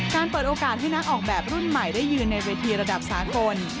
เปิดโอกาสให้นักออกแบบรุ่นใหม่ได้ยืนในเวทีระดับสากล